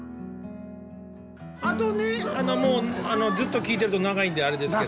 あとねもうずっと聞いてると長いんであれですけど。